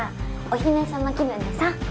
お姫様気分でさ。